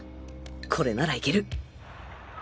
これならいける！